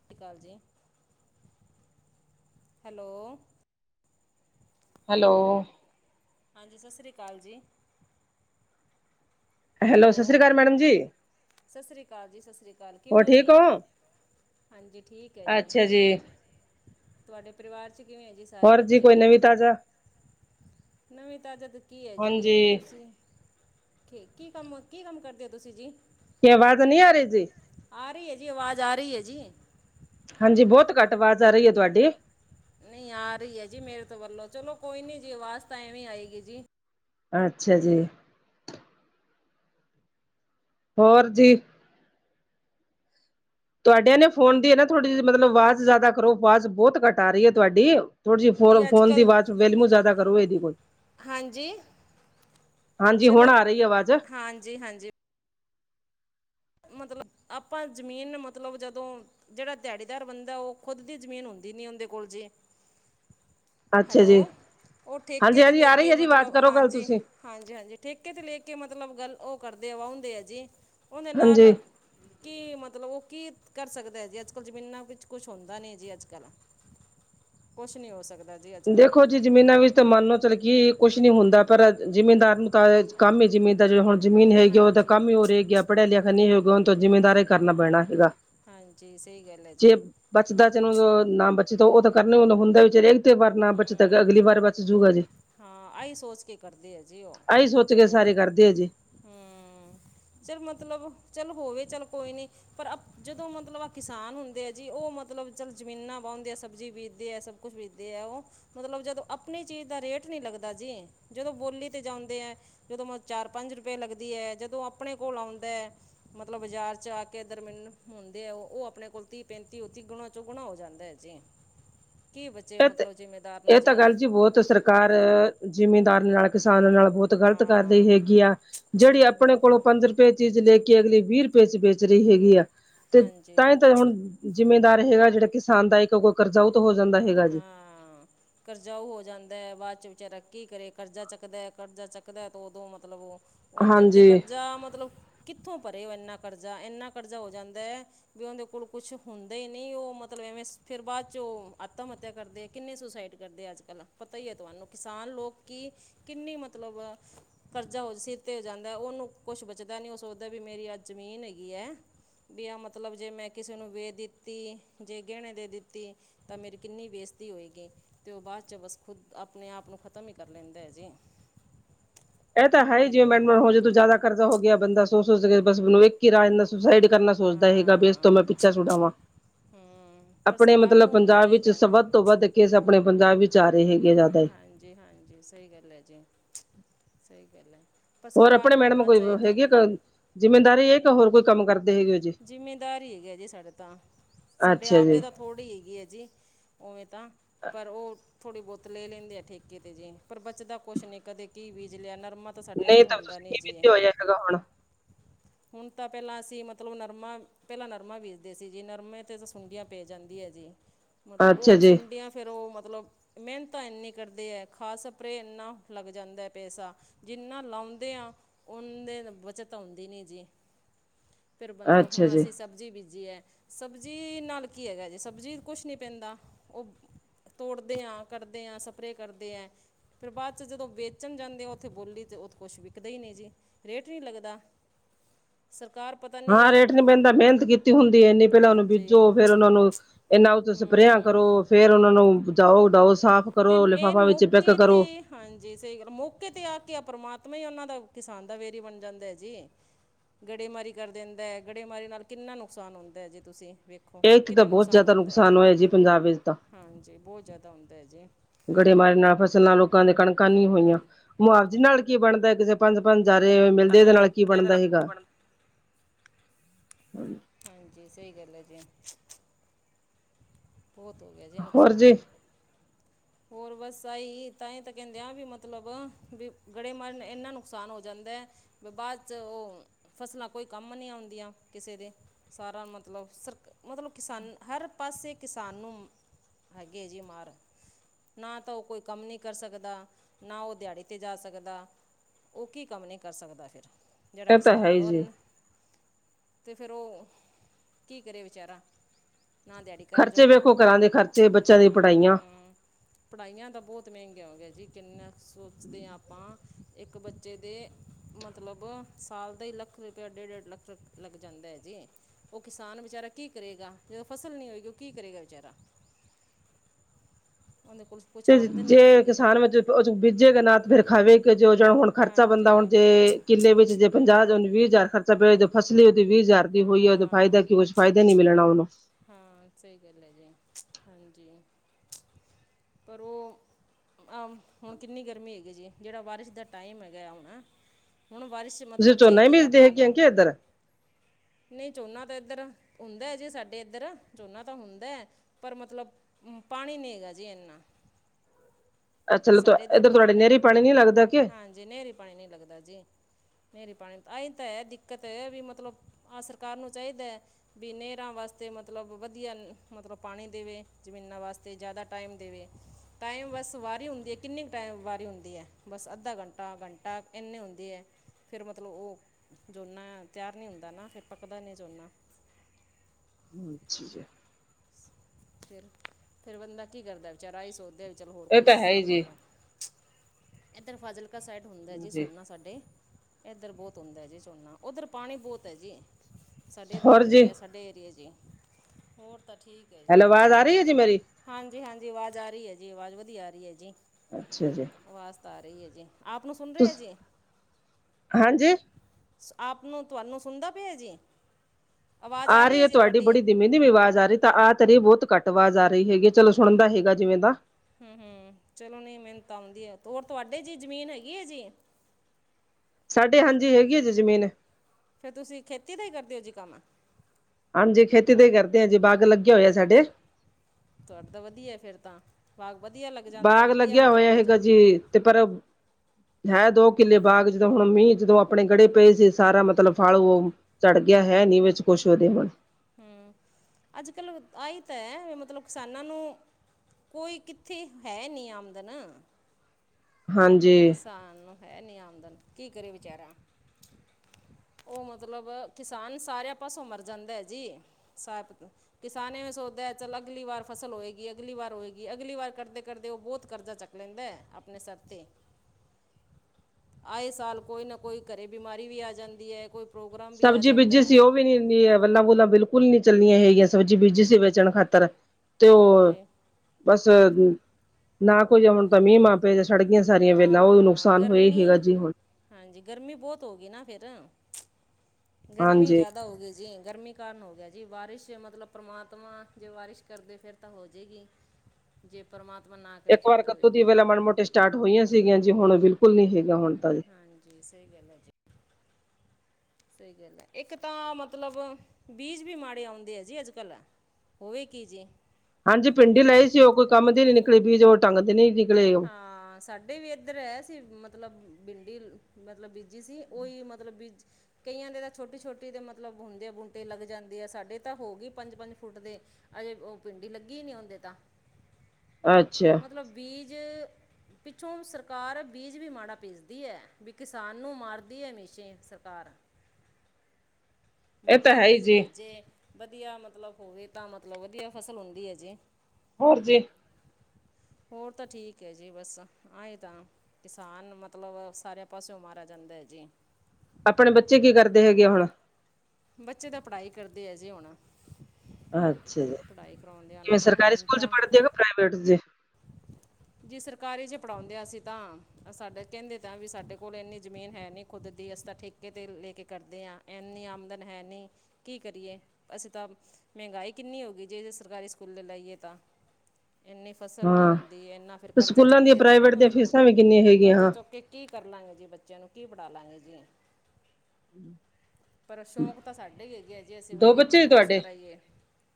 ਸਸ ਸ਼੍ਰੀ ਕਾਲ ਜੀ ਹੈਲੋ ਹੈਲੋ ਹਾਂਜੀ ਸਸ਼੍ਰੀ ਕਾਲ ਜੀ। ਸਤਿ ਸ੍ਰੀ ਹੈਲੋ, ਅਕਾਲ ਮੈਡਮ ਜੀ ਸਸ਼੍ਰੀ ਕਾਲ ਜੀ ਸਸ਼੍ਰੀ ਕਾਲ ਕਿਵੇਂ ਹੋਰ ਹੋ ਠੀਕ ਜੀ? ਹਾਂਜੀ ਠੀਕ ਐ ਜੀ। ਤੁਹਾਡੇ ਪਰਿਵਾਰ 'ਚ ਕਿਵੇਂ ਹੈ ਜੀ ਸਾਰੇ ਹੋਰ ਜੀ ਬੱਚੇ ਕੋਈ ਨਵੀਂ ਤਾਜ਼ਾ ਨਵੀਂ ਤਾਜਾ ਤੇ ਕੀ ਹੈ ਜੀ ਹਾਂਜੀ ਤੁਸੀਂ ਕੀ ਕੀ ਕੰਮ, ਕੀ ਕੰਮ ਕਰਦੇ ਹੋ ਤੁਸੀਂ ਜੀ। ਕੀ ਆਵਾਜ਼ ਨੀਂ ਆ ਰਹੀ ਜੀ ਆ ਰਹੀ ਏ ਜੀ ਆਵਾਜ਼ ਆ ਰਹੀ ਏ ਜੀ ਹਾਂਜੀ ਬਹੁਤ ਘੱਟ ਆਵਾਜ਼ ਆ ਰਹੀ ਐ ਤੁਹਾਡੀ। ਨਈ ਆ ਰਹੀ ਆ ਜੀ ਮੇਰੇ ਤੋਂ ਵੱਲੋਂ ਚਲੋ ਕੋਈ ਨੀ ਜੀ ਆਵਾਜ਼ ਤਾਂ ਐਵੇਂ ਆਏਗੀ ਜੀ। ਅੱਛਾ ਜੀ। ਹੋਰ ਜੀ। ਤੁਹਾਡੇ ਆਂਲੇ ਨੇ ਫੋਨ ਦੀ ਐ ਨਾ ਥੋੜ੍ਹੀ ਜਿਹੀ ਮਲਬ ਆਵਾਜ਼ ਜ਼ਿਆਦਾ ਕਰੋ ਆਵਾਜ਼ ਬਹੁਤ ਘੱਟ ਆ ਰਹੀ ਆ ਤੁਹਾਡੀ। ਥੋੜੀ ਜਿਹੀੋ ਫੋ ਜੀ ਅੱਜ ਫੋਨ ਦੀ ਆਵਾਜ਼ ਕੱਲ੍ਹ ਵੈਲਲੂਮ ਜ਼ਿਆਦਾ ਕਰੋ ਇਹਦੀ ਕੋਈ ਹਾਂਜੀ। ਹਾਂਜੀ, ਹੁਣ ਚਲੋ ਆ ਰਈ ਏ ਅਵਾਜ਼। ਹਾਂਜੀ ਹਾਂਜੀ ਮਤਲਬ ਆਪਾਂ ਜ਼ਮੀਨ ਮਤਲਬ ਜਦੋਂ ਜੇੜਾ ਦਿਹਾੜੀਦਾਰ ਬੰਦੈ, ਓਹ ਖੋਦ ਦੀ ਜ਼ਮੀਨ ਹੁੰਦੀ ਨੀ ਓੰਦੇ ਕੋਲ ਜੀ‌। ਅੱਛਾ ਜੀ ਹੈਲੋ, ਓਹ ਹਾਂਜੀ ਠੇਕੇ ਤੇ ਹਾਂਜੀ ਆ ਰਹੀ ਲੇਕੇ ਹੈ ਜੀ ਆਵਾਜ਼ ਮਤਲਬ, ਕਰੋ ਗੱਲ ਹਾਂਜੀ। ਤੁਸੀਂ ਹਾਂਜੀ ਹਾਂਜੀ, ਠੇਕੇ ਤੇ ਲੈ ਕੇ ਮਤਲਬ ਗੱਲ ਓਹ ਕਰਦੇ ਐ ਵਾਹੁੰਦੇ ਐ ਜੀ। ਉੰਦੇ ਨਾਲ ਹਾਂਜੀ ਕੀ ਮਤਲਬ ਓਹ ਕੀ ਕਰ ਸਕਦੈ ਜੀ, ਅੱਜ-ਕੱਲ੍ਹ ਜ਼ਮੀਨਾਂ ਵਿੱਚ ਕੁਛ ਹੁੰਦਾ ਨੀ ਜੀ ਅੱਜ-ਕੱਲ੍ਹ। ਕੋਛ ਨੀ ਹੋ ਸਕਦਾ ਜ ਦੇਖੋ ਜੀ। ਜ਼ਮੀਨਾਂ ਵਿੱਚ ਤਾਂ ਮੰਨ ਲੋ ਚਲ ਕੀ ਕੁਛ ਨੀ ਹੁੰਦਾ, ਪਰ ਜ਼ਿਮੀਦਾਰ ਨੂੰ ਤਾਂ ਏ ਕੰਮ ਏ ਜ਼ਿਮੀ ਦਾ ਜੇ ਹੁਣ ਜ਼ਮੀਨ ਹੈਗੀ ਓਹ ਦਾ ਹਾਂਜੀ ਕੰਮ ਈ ਔ ਰਹਿ ਗਿਆ। ਪੜ੍ਹਿਆ-ਲਿਖਿਆ ਨਹੀਂ ਹੋਗਾ ਓਹਨ ਤੋ ਜ਼ਿਮੀਦਾਰ ਏ ਕਰਨਾ ਪੈਣਾ ਹੈਗਾ। ਹਾਂਜੀ ਸਹੀ ਗੱਲ ਹੈ ਜੇ ਜੀ ਬਚਦਾ ਚੇਨੂੰ ਜੋ ਨਾ ਬਚ ਓਹ ਤਾਂ ਕਰਨ ਓਨੂੰ ਹੁੰਦੈ ਵੀ ਚੇ ਏਈ ਤੇ ਵਰ ਨਾ ਬਚਤ ਹੂੰ ਹੈਗਾ, ਅਗਲੀ ਵਾਰ ਬਚ ਜੂਗਾ ਜੀ। ਹਾਂ, ਐਈ ਸੋਚ ਕੇ ਕਰਦੇ ਐ ਜੀ ਓਹ ਆਹੀ ਸੋਚ ਕੇ ਜ਼ਮੀਨਾਂ, ਸਾਰੇ ਕਰਦੇ ਆ ਜੀ ਹੂੰ। ਚੱਲ ਮਤਲਬ ਚੱਲ ਹੋਵੇ ਚੱਲ ਕੋਈ ਨੀ ਪਰ ਅਪ ਜਦੋਂ ਮਤਲਬ ਆ ਕਿਸਾਨ ਹੁੰਦੇ ਐ ਜੀ, ਉਹ ਮਤਲਬ ਚੱਲ ਜ਼ਮੀਨਾਂ ਵਾਹੁੰਦੇ ਐ, ਸਬਜ਼ੀ ਬੀਤਦੇ ਐ, ਸਭ ਕੁਛ ਬੀਤਦੇ ਐ ਓਹ। ਮਤਲਬ ਜਦੋਂ ਅਪਣੀ ਚੀਜ਼ ਦਾ ਰੇਟ ਨੀ ਲੱਗਦਾ ਜੀ ਜਦੋਂ ਬੋਲੀ ਤੇ ਜਾਂਦੇ ਐ। ਜਦੋਂ ਮੈਂ ਚਾਰ-ਪੰਜ ਰੁਪਏ ਲੱਗਦੀ ਐ, ਜਦੋਂ ਅਪਣੇ ਕੋਲ ਆਉਂਦੈ, ਮਤਲਬ ਬਜ਼ਾਰ ਚ ਆ ਕੇ ਦਰਮਿਨ ਹੁੰਦੇ ਐ, ਓ ਅਪਣੇ ਕੋਲ ਤੀਹ-ਪੈਂਤੀ ਔ ਤਿਗੁਣਾ ਚੋਂਗੁਣਾ ਹੋ ਜਾਂਦਾ ਐ ਜੀ। ਕੀ ਬਚੇ ਮਤਲਬ ਜਿਮੀਂਦਾਰ ਨੂੰ ਜੀ। ਵੋ ਤੋ ਸਰ ਕਾਰ ਜਿਮੀਦਾਰ ਨਾਲ ਕਿਸਾਨਾਂ ਨਾਲ ਬੌਤ ਤ ਗ਼ਲਤ ਕਰ ਹਾਂ ਰਈ ਹੈਗੀ ਆ, ਜਿਹੜੀ ਅਪਣੇ ਬਹੁਤ ਕੋਲੋਂ ਪੰਜ ਰ ਪੇ ਚੀਜ਼ ਲੇ ਕੇ ਅਗਲੀ ਵੀਹ ਰੁਪਏ ਚ ਬੇਚ ਰਹੀ ਹੈਗੀ ਆ, ਤੇ ਹਾਂਜੀ ਤਾਂਹੀ ਤਾਂ ਹੁਣ ਜਿੰਮੇਦਾਰ ਹੈਗਾ ਜੇੜਾ ਕਿਸਾਨ ਦਾ ਇੱਕ ਕਰਜ਼ਾਊਤ ਹੋ ਜਾਂਦਾ ਹੈਗਾ। ਜੀ। ਹਾਂ, ਕਰਜਾਊ ਹੋ ਜਾਂਦੈ, ਬਾਅਦ ਚ ਵੀ ਚਰਾ ਕੀ ਕਰੇ ਕਰਜ਼ਾ ਚੱਕਦੈ, ਕਰਜ਼ਾ ਚੱਕਦੈ ਦੋ ਦੋ ਮਤਲਬ ਔ ਹੁੰਦਾ ਜੇ ਹਾਂਜੀ ਕਰਜ਼ਾ ਮਤਲਬ ਕਿੱਥੋਂ ਭਰੇ ਓਹ ਇੰਨਾ ਕਰਜ਼ਾ, ਏੰਨਾ ਕਰਜ਼ਾ ਹੋ ਜਾਂਦੈ ਬੀ ਓਦੇ ਕੋਲ ਕੁਛ ਹੁੰਦਾ ਹੀ ਨੀ ਓਹ ਮਤਲਬ ਐਵੇਂ ਫਿਰ ਬਾਦ ਚੋ ਆਤਮ-ਹੱਤਿਆ ਕਰਦੇ ਐ, ਕਿੰਨੇ ਸੁਸਾਈਡ ਕਰਦੇ ਅੱਜ-ਕੱਲ, ਪਤਾ ਹੀ ਐ ਤੁਆਨੂੰ, ਕਿਸਾਨ ਲੋਕ ਕੀ ਕਿੰਨੀ ਮਤਲਬ ਕਰਜ਼ਾ ਹੋ ਸੀਰ ਤੇ ਹੋ ਜਾਂਦੈ, ਉਹ ਉਹਨੂੰ ਕੁਛ ਬਚਦਾ ਨੀ ਓਹ ਸੋਚਦੈ ਵੀ ਮੇਰੀ ਐਹ ਜ਼ਮੀਨ ਹੈਗੀ ਐ। ਵੀ ਆ ਮਤਲਬ ਜੇ ਮੈਂ ਕਿਸੇ ਨੂੰ ਵੇ ਦਿੱਤੀ, ਜੇ ਗੈਹਣੇ ਦੇ ਦਿੱਤੀ ਤਾਂ ਮੇਰੀ ਕਿੰਨੀ ਬੇਸਤੀ ਹੋਏਗੀ। ਤੇ ਓਹ ਬਾਦ ਚ ਬਸ ਖੁਦ ਅਪਣੇ ਆਪ ਨੂੰ ਖਤਮ ਹੀ ਕਰ ਲੈਂਦੈ ਐ ਜੀ। ਏਹ ਤਾਂ ਹੈਈ ਜਿਵੇਂ ਹੈਲੋ ਮੈਡਮਣ ਹੋ ਜੇ ਤੂੰ ਜ਼ਿਆਦਾ ਹਾਂਜੀ ਕਰਜ਼ਾ ਹੋ ਗਿਆ, ਬੰਦਾ ਸੋ ਸੋਚ ਕੇ ਬਸ ਮੈਨੂੰ ਏਕ ਹੀ ਰਾਹ ਆਂਦਾ ਸੁਸਾਇਡ। ਕਰਨਾ ਸੋਚਦਾ ਹੈਗਾ, ਬੀ ਏਸ ਤੋਂ ਹਾਂ ਮੈਂ ਪਿੱਛਾ ਛੁਡਾਵਾਂ। ਹਮ, ਪਰ ਅਪਣੇ ਸਰਕਾਰ ਮਤਲਬ ਨੂੰ ਹੋਣਾ ਪੰਜਾਬ ਚਾਹੀਦਾ ਵਿੱਚ ਹੈ ਸਭ ਨਾ ਵੱਧ ਤੋਂ ਵੱਧ ਕੇਸ ਅਪਣੇ ਪੰਜਾਬ ਇਚ ਆ ਰਹੇ ਹੇਗ ਹਾਂਜੀ-ਹਾਂਜੀ, ਸਹੀ ਗੱਲ ਐ ਜੀ, ਸਹੀ ਗੱਲ ਐ। ਔਰ ਅਪਣੇ ਮੈਡਮ ਕੋਈ ਵ ਹੈਗੀ ਆ, ਕ ਜਮੀਨਦਾਰੀ ਏ ਕੇ ਹੋਰ ਕੋਈ ਕੰਮ ਕਰਦੇ ਹੈਗੇ। ਜੀ ਜ਼ਿੰਮੀਦਾਰੀ ਹੈਗਾ ਜੀ ਸਾਡੇ ਤਾਂ, ਸਾਡੇ ਅੱਛਾ ਜੀ ਆਪਦੇ ਤਾਂ ਥੋੜ੍ਹੀ ਹੈਗੀ ਐਂ ਜੀ। ਉਵੇਂ ਤਾਂ ਪਰ ਓ ਥੋੜ੍ਹੀ ਬੌਤ ਲੇ ਲੇੰਦੇ ਆ ਠੇਕੇ ਤੇ ਜੀ, ਪਰ ਬਚਦਾ ਕੁਛ ਨੀ ਕਦੇ ਕੀ ਬੀਜ ਲਿਆ ਨਰਮਾ ਤਾਂ ਸਾਡੇ ਨਹੀਂ ਇਧਰ ਤਾਂ ਹੁੰਦਾ ਤੁਸੀਂ ਨੀ ਕਿਵੇਂ ਜੀ, ਤੇ ਹੋਇਆ ਹੈਗਾ ਹੁਣ ਹੁਣ ਤਾਂ ਪੈਲਾਂ ਅਸੀਂ ਮਤ ਤਲਬ ਨਰਮਾ ਪੈਲਾਂ ਨਰਮਾ ਬੀਜਦੇ ਸੀ ਜੀ, ਨਰਮੇ ਤੇ ਤਾਂ ਸੁੰਡੀਆਂ ਪੈ ਜਾਂਦੀ ਐ ਜੀ। ਮਤਲਬ ਅੱਛਾ ਓ ਜੀ ਸੁੰਡਿਆ ਫੇਰ ਓਹ ਮਤਲਬ ਮਿਹਨਤਾ ਇੰਨੀ ਕਰਦੇ ਐ, ਖਾਦ ਸਪਰੇ ਇੰਨਾ ਲੱਗ ਜਾਂਦੈ ਪੇਸਾ। ਜਿੰਨਾ ਲਾਉਂਦੇ ਆ, ਓਨਦੇ ਬੱਚਤ ਤਾ ਹੂੰਦੀ ਨੀ ਜੀ। ਫਿਰ ਬਤਲਬ ਹੁਣ ਅਸੀਂ ਸਬ ਜੀ ਬੀਜੀ ਐ, ਸਬਜ਼ੀ ਨਾਲ ਕੀ ਹੈਗਾ ਜੇ ਸਬਜ਼ੀ ਚ ਕੁਛ ਨੀ ਪੈਂਦਾ, ਓਹ ਤੋੜਦੇ ਹਾਂ ਕਰਦੇ ਹਾਂ ਸਪਰੇ ਕਰਦੇ ਹੈ। ਫਿਰ ਬਾਅਦ 'ਚ ਜਦੋਂ ਵੇਚਣ ਜਾਂਦੇ ਆ ਉੱਥੇ ਬੋਲੀ ਤਾਂ ਉਹ ਤਾਂ ਕੁਛ ਵਿਕਦਾ ਹੀ ਨਹੀ ਜੀ। ਰੇਟ ਨੀ ਲੱਗਦਾ, ਸਰਕਾਰ ਪਤਾ ਹਾਂ ਨਹੀਂ ਰੇਟ ਨੀ ਪੈਂਦਾ ਮਿਹਨਤ ਕੀਤੀ ਹੁੰਦੀ ਇੰਨੀ ਪਹਿਲਾਂ ਉਹਨੂੰ ਹਾਂਜੀ ਬੀਜੋ ਫੇਰ ਉਹਨਾਂ ਨੂੰ ਇਹਨਾਂ ਉਹ ਸਪਰੇਆਂ ਹੂੰ ਕਰੋ। ਫਿਰ ਉਹਨਾਂ ਨੂੰ ਜਾਓ ਉਡਾਓ ਸਾਫ਼ ਤੇ ਕਰੋ ਇਹਨ ਲਿਫਾਫਾ ਵਿੱਚ ਪੈਕ ਮੌਕੇ ਤੇ ਕਰੋ। ਹਾਂਜੀ ਸਹੀ ਗੱਲ ਮੌਕੇ ਤੇ ਆ ਕੇ ਆ ਪ੍ਰਮਾਤਮਾ ਹੀ ਉਹਨਾਂ ਦਾ ਕਿਸਾਨ ਦਾ ਵੇਰੀ ਬਣ ਜਾਂਦਾ ਹੈ ਜੀ। ਗੜੇਮਾਰੀ ਕਰ ਦਿੰਦਾ ਹੈ ਗੜੇਮਾਰੀ ਨਾਲ ਕਿੰਨਾ ਨੁਕਸਾਨ ਹੁੰਦਾ ਜੇ ਤੁਸੀਂ ਵੇਖੋ। ਦੇਖੋ ਇਹ ਤੇ ਤਾਂ ਕਿੰਨਾ ਬਹੁਤ ਨੁਕਸਾਨ ਜ਼ਿਆਦਾ ਹੁੰਦਾ ਜੀ ਹੋਇਆ ਪੰਜਾਬ ਵਿੱਚ ਤਾਂ ਹਾਂਜੀ ਬਹੁਤ ਜ਼ਿਆਦਾ ਹੁੰਦਾ ਹੈ ਜੀ। ਗੜੇ ਮਾਰੀ ਨਾਲ ਫਸਲਾਂ ਲੋਕਾਂ ਦੇ ਕਣਕਾਂ ਨਹੀਂ ਹੋਈਆਂ ਮੁਆਵਜ਼ੇ ਨਾਲ ਕੀ ਬਣਦਾ ਕਿਸੇ ਪੰਜ ਪੰਜ ਜਾਰੇ ਮਿਲਦੇ ਅਰੇ ਇਹਦੇ ਨਾਲ ਕੀ ਬਣਦਾ ਨਾਲ ਸੀਗਾ। ਬਣ ਹਾਂਜੀ ਸਹੀ ਗੱਲ ਹੈ ਜੀ। ਬਹੁਤ ਹੋ ਗਿਆ ਜੀ ਹੋਰ ਨੁਕਸਾਨ। ਜੀ ਇਹ ਹੋਰ ਬਸ ਆਹੀ ਤਾਂ ਹੀ ਤਾਂ ਕਹਿੰਦੇ ਆ ਵੀ ਮਤਲਬ ਵੀ ਗੜੇ ਮਾਰਨ ਇੰਨਾ ਨੁਕਸਾਨ ਹੋ ਜਾਂਦਾ ਵੀ ਬਾਅਦ 'ਚ ਉਹ ਫਸਲਾਂ ਕੋਈ ਕੰਮ ਨਹੀਂ ਆਉਂਦੀਆਂ ਕਿਸੇ ਦੇ। ਸਾਰਾ ਮਤਲਬ ਸਰ ਮਤਲਬ ਕਿਸਾਨ ਹਰ ਪਾਸੇ ਕਿਸਾਨ ਨੂੰ ਹੈਗੀ ਜੀ ਮਾਰ। ਨਾ ਤਾਂ ਉਹ ਕੋਈ ਕੰਮ ਨਹੀਂ ਕਰ ਸਕਦਾ ਨਾ ਉਹ ਦਿਹਾੜੀ ਤੇ ਜਾ ਸਕਦਾ। ਉਹ ਕੀ ਕੰਮ ਨਹੀਂ ਕਰ ਸਕਦਾ ਫਿਰ ਜਿਹੜਾ ਤਾਂ ਕਿਸਾਨ ਹੈ ਹੀ ਆਦਾ ਜੀ ਉਹਨ ਅਤੇ ਫੇਰ ਉਹ ਕੀ ਕਰੇ ਵਿਚਾਰਾ। ਨਾ ਦਿਹਾੜੀ ਕਰਨ ਖਰਚੇ ਜੋਗਾ ਵੇਖੋ ਕਰਾਂ ਦੇ ਖਰਚੇ ਬੱਚਿਆਂ ਦੀਆਂ ਪੜ੍ਹਾਈਆਂ। ਪੜ੍ਹਾਈਆਂ ਤਾਂ ਬਹੁਤ ਮਹਿੰਗੀਆਂ ਹੋ ਗਿਆ ਜੀ ਕਿੰਨਾ ਸੋਚਦੇ ਹਾਂ ਆਪਾਂ ਇੱਕ ਬੱਚ ਬੱਚੇ ਦੇ ਮਤਲਬ ਸਾਲ ਦਾ ਹੀ ਲੱਖ ਰੁਪਇਆ ਡੇਢ ਡੇਢ ਲੱਖ ਲੱਗ ਜਾਂਦਾ ਹੈ ਜੀ। ਉਹ ਕਿਸਾਨ ਵਿਚਾਰਾ ਕੀ ਕਰੇਗਾ, ਜਦੋਂ ਫਸਲ ਨਹੀਂ ਹੋਏਗੀ ਉਹ ਕੀ ਕਰੇਗਾ ਵਿਚਾਰਾ। [inaudible] ਤੇ ਨਹੀਂ ਜੇ ਹੋਏਗੀ ਕਿਸਾਨ ਵਜੋਂ ਉਹ ਬੀਜੇਗਾ ਨਾ ਫਿਰ ਖਾਵੇਗਾ ਜੋ ਜਾ ਹੁਣ ਖਰਚਾ ਬੰਦਾ ਹਾਂਜੀ ਹੁਣ ਜੇ ਕਿੱਲੇ ਵਿੱਚ ਜੇ ਪੰਜਾਹ ਉਹਨੂੰ ਵੀਹ ਹਜ਼ਾਰ ਖਰਚਾ ਪਿਆ ਜਦੋਂ ਫਸਲੀ ਉਹਦੀ ਵੀਹ ਹਜ਼ਾਰ ਦੀ ਹੋਈ ਉਹਦੇ ਹਾਂ ਫਾਇਦਾ ਕੀ ਕੁਛ ਫਾਇਦਾ ਨ ਮਿਲਣਾ ਉਹਨੂੰ। ਹਾਂ ਸਹੀ ਗੱਲ ਹੈ ਜੀ ਹਾਂਜੀ ਪਰ ਉਹ ਆ ਹੁਣ ਕਿੰਨੀ ਗਰਮੀ ਹੈਗੀ ਜੀ ਜਿਹੜਾ ਬਾਰਿਸ਼ ਦਾ ਟਾਈਮ ਹੈਗਾ ਹੁਣ ਹੁਣ ਬਾਰਿਸ਼ ਤੁਸੀਂ ਮਤਲਬ ਝੋਨਾ ਹੀ ਚਾਹੀਦੀ ਆ ਬੀਜਦੇ ਆਪਾਂ ਹੈਗੇ ਨੂੰ। ਕਿ ਇੱਧਰ ਨਹੀਂ ਝੋਨਾ ਤਾਂ ਇੱਧਰ ਹੁੰਦਾ ਜੀ ਸਾਡੇ ਇੱਧਰ ਝੋਨਾ ਤਾਂ ਹੁੰਦਾ ਹੈ ਪਰ ਮਤਲਬ ਪਾਣੀ ਨੀਗਾ ਜੀ ਇੰਨਾ। ਅੱਛਾ ਸਾਡੇ ਇੱਧਰ ਤੁਹਾਡੇ ਪਾਣੀ ਨਹਿਰੀ ਨੀ ਲੱਗਦਾ ਕਿ ਹਾਂਜੀ ਨਹੀ ਪਾਣੀ ਨੀ ਲੱਗਦਾ ਜੀ। ਹਨੇਰੀ ਪਾਣੀ ਅਸੀਂ ਤਾਂ ਇਹ ਦਿੱਕਤ ਇਹ ਵੀ ਮਤਲਬ ਆਹ ਸਰਕਾਰ ਨੂੰ ਚਾਹੀਦਾ ਵੀ ਨਹਿਰਾਂ ਵਾਸਤੇ ਮਤਲਬ ਵਧੀਆ ਮਤਲਬ ਪਾਣੀ ਦੇਵੇ ਜ਼ਮੀਨਾਂ ਵਾਸਤੇ ਜ਼ਿਆਦਾ ਟਾਈਮ ਦੇਵੇ। ਟਾਈਮ ਬਸ ਵ। ਵਾਰੀ ਹੈ ਕਿੰਨੀ ਟਾਈਮ ਵਾਰੀ ਉਦੀ ਹੈ ਬਸ ਅੱਧਾ ਘੰਟਾ ਘੰਟਾ ਇੰਨਨੀ ਹੁੰਦੀ ਹੈ। ਫੇਰ ਮਤਲਬ ਉਹ ਜੋਨਾ ਤਿਆਰ ਨਹੀਂ ਹੁੰਦਾ ਨਾ ਫਿਰ ਪੱਕਦਾ ਨਹੀਂ ਜੋਨਾ। ਠੀਕ ਹੈ। ਫਿਰ ਫਿਰ ਬੰਦਾ ਕੀ ਕਰਦਾ ਵਿਚਾਰਾ ਹੀ ਸੋਚਦੇ ਵੀ ਚਲ ਹੋਰ ਇਹ ਕੋਈ ਤਾਂ ਹੈ ਹੀ ਆਪਾਂ ਜੀ ਇੱਧਰ ਫਾਜ਼ਿਲਕਾ ਸਾਈਡ ਹੁੰਦਾ ਜੀ ਝੋਨਾ ਸਾਡੇ। ਇੱਧਰ ਬਹੁਤ ਹੁੰਦਾ ਹੈ ਜੀ ਝੋਨਾ ਉੱਧਰ ਪਾਣੀ ਬਹੁਤ ਹੈ ਜੀ। ਸਾਡੇ ਇੱਧਰ ਹੋਰ ਨੀ ਜੀ ਆ ਸਾਡੇ ਏਰੀਏ ਚ ਹੀ ਹੋਰ ਤਾਂ ਠੀਕ ਹੈ ਜੀ ਹੈਲੋ ਵਧੀਆ ਆਵਾਜ਼ ਆ ਹੋਰ ਰਹੀ ਹੈ ਤਾਂ ਜੀ ਮੇਰੀ। ਹਾਂਜੀ ਹਾਂਜੀ ਆਵਾਜ਼ ਆ ਰਹੀ ਹੈ। ਜੀ ਆਵਾਜ਼ ਵਧੀਆ ਆ ਰਹੀ ਹੈ ਜੀ। ਅੱਛਾ ਜੀ। ਆਵਾਜ਼ ਤਾਂ ਆ ਰਹੀ ਹੈ ਜੀ ਆਪ ਨੂੰ ਸੁਣ ਰਹੇ ਤੁਸੀਂ ਜੀ। ਹਾਂਜੀ ਆਪ ਨੂੰ ਤੁਹਾਨੂੰ ਸੁਣਦਾ ਪਿਆ ਜੀ। ਆਵਾਜ਼ ਆ ਰਹੀ ਰੀ ਹੈ ਐ ਜੀ ਤੁਹਾਡੀ ਬੜੀ ਦੀ ਵੀ ਵਾਜ਼ ਆ ਰਹੀ ਤਾਂ ਆਹ ਤੇ ਬਹੁਤ ਘੱਟ ਆਵਾਜ਼ ਆ ਰੀ ਹੈਗੀ ਐ ਚਲੋ ਸੁਣਦਾ ਹੈਗਾ ਜਿਵੇਂ ਦਾ ਹੂੰ-ਹੂੰ ਚਲੋ ਨੀ ਮਿਹਨਤ ਆਉਂਦੀ ਐ ਔਰ ਤੁਹਾਡੇ ਜੀ ਜ਼ਮੀਨ ਹੈਗੀ ਆ ਜੀ। ਸਾਡੇ ਹਾਂਜੀ ਹੈਗੀ ਐ ਜੇ ਜ਼ਮੀਨ ਫਿਰ ਤੁਸੀਂ ਖੇਤੀ ਦਾ ਈ ਕਰਦੇ ਔ ਜੀ ਕੰਮ, ਹਾਂਜੀ ਖੇਤੀ ਦਾ ਈ ਕਰਦੇ ਆ ਜੇ ਬਾਗ ਲੱਗੇ ਹੋਏ ਆ ਸਾਡੇ, ਤੁਹਾਡੇ ਤਾਂ ਵਧੀਆ ਫਿਰ ਤਾਂ, ਬਾਗ ਵਧੀਆ ਲੱਗ ਜਾਂਦਾ ਬਾਗ ਵਧੀਆ ਲੱਗਿਆ ਮਤਲਬ ਹੋਇਆ ਹੋ ਜਾਣ ਹੈਗਾ ਜੀ ਤੇ ਪਰ ਹੈ ਦੋ ਕਿੱਲੇ ਬਾਗ ਜਦੋਂ ਹੁਣ ਮੀਂਹ ਜਦੋਂ ਆਪਣੇ ਗੜੇ ਪਏ ਸੀ ਸਾਰਾ ਮਤਲਬ ਔ। ਚੜ੍ਹ ਗਿਆ ਹੈ ਨੀ ਵਿੱਚ ਕੁਛ ਉਹਦੇ ਹੁਣ ਹੂੰ ਅੱਜ ਕੱਲ੍ਹ ਆਹੀ ਤਾਂ ਐ ਵੀ ਮਤਲਬ ਕਿਸਾਨਾਂ ਨੂੰ ਕੋਈ ਕਿੱਥੇ ਹੈ ਨੀ ਆਮਦਨ ਹਾਂਜੀ, ਕਿਸਾਨ ਨੂੰ ਹੈ ਨੀ ਆਮਦਨ ਕੀ ਕਰੇ ਵਿਚਾਰਾ। ਉਹ ਮਤਲਬ ਕਿਸਾਨ ਸਾਰਿਆਂ ਪਾਸੋਂ ਮਰ ਜਾਂਦਾ ਐ ਜੀ ਸਾਥ ਕੋ ਕਿਸਾਨੇ ਐਵੇਂ ਸੋਚਦਾ ਚੱਲ ਅਗਲੀ ਵਾਰ ਫਸਲ ਹੋਏਗੀ ਅਗਲੀ ਵਾਰ ਹੋਏਗੀ ਅਗਲੀ ਵਾਰ ਕਰਦੇ ਕਰਦੇ ਉਹ ਬੋਤ ਕਰਜ਼ਾ ਚੱਕ ਲੈਂਦੇ ਆਪਣੇ ਸਿਰ ਤੇ ਆਏ ਸਾਲ ਕੋਈ ਨਾ ਕੋਈ ਘਰੇ ਬਿਮਾਰੀ ਵੀ ਆ ਜਾਂਦੀ ਐ ਕੋਈ ਪ੍ਰੋਗਰਾਮ ਵੀ ਆ ਸਬਜ਼ੀ ਜਾਂਦਾ ਬੀਜੀ ਹੈ ਸੀ ਉਹ ਵੀ ਨੀਂਦੀ ਵੱਲਾਂ ਬੁੱਲਾਂ ਬਿਲਕੁਲ ਨੀ ਚੱਲਣੀਆਂ ਹੈਗੀਆਂ ਸਬਜ਼ੀ ਬੀਜੀ ਸੀ ਵੇਚਣ ਖਾਤਰ ਤੋ, ਹਾਂਜੀ ਬਸ ਨਾ ਕੋਈ ਹੁਣ ਤਾਂ ਮੀਂਹ ਮਾ ਪੇ ਛੜ ਗਈਆਂ ਸਾਰੀਆਂ ਵੇਲਾਂ ਉਹ ਹਾਂ ਨੁਕਸਾਨ ਹੋਏ ਈ ਹੈਗਾ ਗਰਮੀ ਜੀ ਹੁਣ ਹਾਂਜੀ ਗਰਮੀ ਬਹੁਤ ਹੋ ਗਈ ਨਾ ਫਿਰ, ਗਰਮੀ ਹਾਂਜੀ ਜ਼ਿਆਦਾ ਹੋ ਗਈ ਜੀ ਗਰਮੀ ਕਰਨ ਹੋ ਗਿਆ ਜੀ ਬਾਰਿਸ਼ ਮਤਲਬ ਪਰਮਾਤਮਾ ਜੇ ਬਾਰਿਸ਼ ਕਰਦੇ ਫਿਰ ਤਾਂ ਹੋ ਜਾਏਗੀ। ਜੇ ਪਰਮਾਤਮਾ ਨਾ ਕਰੇ ਇੱਕ ਫਿਰ ਵਾਰ ਕੀ ਕਦੋਂ ਦੀ ਹੋਏਗੀ ਜੀ। ਪਹਿਲਾਂ ਮਾੜੇ ਮੋਟੇ ਸਟਾਰਟ ਹੋਈਆਂ ਸੀਗੀਆਂ ਜੀ ਹੁਣ ਉਹ ਬਿਲਕੁਲ ਨੀ ਹੈਗਾ ਹੁਣ ਤਾਂ ਜੀ। ਹਾਂਜੀ ਸਹੀ ਗੱਲ ਐ ਜੀ। ਸਹੀ ਗੱਲ ਐ ਇੱਕ ਤਾਂ ਮਤਲਬ ਬੀਜ ਵੀ ਮਾੜੇ ਆਉਦੇ ਆ ਜੀ ਅੱਜ ਕੱਲ ਹੋਵੇ ਕੀ ਜੇ, ਹਾਂਜੀ ਪਿੰਡੀ ਲਾਈ ਸੀ ਉਹ ਕੋਈ ਕੰਮ ਦੀ ਨੀ ਨਿਕਲੀ ਬੀਜ ਤੰਗ ਦੇ ਨੀ ਨਿਕਲੇ ਉਹ। ਹਾਂ, ਸਾਡੇ ਵੀ ਇੱਧਰ ਐ ਸੀ ਮਤਲਬ ਬਿੰਡੀ ਮਤਲਬ ਬੀਜੀ ਸੀ ਉਹੀ ਮਤਲਬ ਬੀਜ ਕਈਆਂ ਦੇ ਤਾਂ ਛੋਟੀ ਛੋਟੀ ਦੇ ਮਤਲਬ ਹੁੰਦੇ ਆ ਬੂੰਟੇ ਲੱਗ ਜਾਂਦੇ ਆ ਸਾਡੇ ਤਾਂ ਹੋ ਗਈ ਪੰਜ ਪੰਜ ਫੁੱਟ ਦੇ ਹਜੇ ਉਹ ਭਿੰਡੀ ਲੱਗੀ ਨੀ ਔਦੇ ਤਾਂ ਅੱਛਾ, ਮਤਲਬ ਬੀਜ ਪਿੱਛੋਂ ਸਰਕਾਰ ਬੀਜ ਵੀ ਮਾੜਾ ਭੇਜਦੀ ਹੈ ਵੀ ਕਿਸਾਨ ਨੂੰ ਮਾਰਦੀ ਐ ਹਮੇਸ਼ੇ ਸਰਕਾਰ ਇਹ ਤਾਂ ਵਧੀਆ ਹੈ ਹੀ ਬੀਜ ਜੀ ਭੇਜੇ ਵਧੀਆ ਮਤਲਬ ਹੋਵੇ ਤਾਂ ਮਤਲਬ ਵਧੀਆ ਫਸਲ ਹੁੰਦੀ ਐ ਜੀ। ਹੋਰ ਜੀ? ਹੋਰ ਤਾਂ ਠੀਕ ਐ ਜੀ ਬਸ ਆਏ ਤਾਂ, ਕਿਸਾਨ ਮਤਲਬ ਸਾਰਿਆਂ ਪਾਸਿਓ ਮਾਰਿਆ ਜਾਂਦਾ ਐ ਜੀ। ਆਪਣੇ ਬੱਚੇ ਕੀ ਕਰਦੇ ਹੈਗੇ ਆ ਹੁਣ ਬੱਚੇ ਤਾਂ ਪੜ੍ਹਾਈ ਕਰਦੇ ਆ ਜੇ ਹੁਣ ਅੱਛਾ ਜੀ, ਪੜ੍ਹਾਈ ਕਰਾਉਂਦੇ ਆ ਉਹਨਾਂ ਕਿਵੇਂ ਨੂੰ ਸਰਕਾਰੀ ਹੁਣ ਸਕੂਲ ਚ ਤਾਂ ਪੜ੍ਹਦੇ ਆ ਕੇ ਪ੍ਰਾਈਵੇਟ ਚ? [unintelligible] ਜੀ ਸਰਕਾਰੀ ਚ ਪੜ੍ਹਾਉਦੇ ਆਂ ਅਸੀਂ ਤਾਂ, ਸਾਡੇ ਕੈਂਦੇ ਤਾਂ ਵੀ ਸਾਡੇ ਕੋਲ ਏਨੀ ਜ਼ਮੀਨ ਹੈ ਨੀ। ਖੁੱਦ ਦੀ ਅਸੀ ਤਾਂ ਠੇਕੇ ਤੇ ਲੈ ਕੇ ਕਰਦੇ ਆਂ ਏਨੀ ਆਮਦਨ ਹੈ ਨੀ। ਕੀ ਕਰੀਏ ਅਸੀਂ ਤਾਂ ਮੈਹਗਾਈ ਕਿੰਨੀ ਹੋ ਗਈ, ਜੇ ਸਰਕਾਰੀ ਸਕੂਲੇ ਲਾਈਏ ਤਾਂ ਏਨੀ ਫਸਲ ਨੀ ਹਾਂ ਹੁੰਦੀ, ਏਨਾ ਫੇਰ ਤੇ ਕਰਜ਼ਾ ਚੁੱਕ ਸਕੂਲਾਂ ਦੀਆਂ ਕੇ ਥੋੜ੍ਹੀ ਪ੍ਰਾਈਵੇਟ ਦੀਆਂ ਮਤਲਬ, ਫੀਸਾਂ ਵੀ ਕਿੰਨੀਆਂ ਹੈਗੀਆਂ ਕਰਜ਼ਾ ਹਾਂ। ਚੁੱਕ ਕੇ ਕੀ ਕਰਲਾਗੇ ਜੀ, ਬੱਚੇਆਂ ਨੂੰ ਕੀ ਪੜਾਲਾਗੇ ਜੀ। ਪਰ ਸ਼ੌਂਕ ਤਾਂ ਸਾਡੇ ਵੀ ਏਹੀ ਆ ਜੀ, ਅਸੀਂ ਦੋ ਵਦੀਆ ਕੋਈ ਬੱਚੇ ਜੀ ਕੋਰਸ ਤੁਹਾਡੇ? ਕਰਾਈਏ।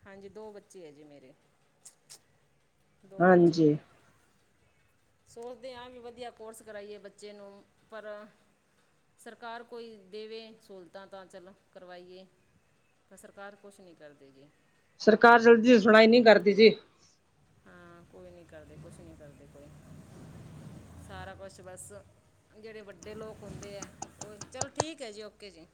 ਹਾਂਜੀ, ਦੋ ਬੱਚੇ ਐ ਜੀ ਮੇਰੇ ਦੋ ਬੱਚੇ ਐ। ਹਾਂਜੀ ਸੋਚਦੇ ਆਂ ਵੀ ਵਦੀਆ ਕੋਰਸ ਕਰਾਈਏ ਬੱਚੇ ਨੂੰ, ਪਰ ਸਰਕਾਰ ਕੋਈ ਦੇਵੇ ਸਹੂਲਤਾਂ ਤਾਂ ਚਲੋ ਕਰਵਾਈਏ।, ਤਾਂ ਸਰਕਾਰ ਕੁਛ ਨੀ ਕਰਦੀ ਗੀ। ਸਰਕਾਰ ਜਲਦੀ ਸੁਣਾਈ ਨੀ ਕਰਦੀ ਜੀ। ਹਾਂ, ਕੋਈ ਨੀ ਕਰਦੇ ਕੁਛ ਨੀ ਕਰਦੇ ਕੋਈ, ਸਾਰਾ ਕੁਛ ਬਸ ਜੇੜੇ ਵੱਡੇ ਲੋਕ ਹੁੰਦੇ ਐ, ਓ ਚਲੋ ਠੀਕ ਐ ਜੀ ਓਕੇ ਜੀ।